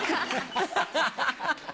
アハハハ！